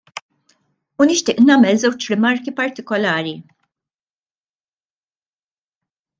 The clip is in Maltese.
U nixtieq nagħmel żewġ rimarki partikolari.